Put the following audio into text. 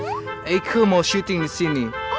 eko mau syuting di sini